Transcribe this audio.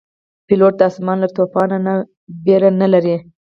پیلوټ د آسمان له توپانه نه ویره نه لري.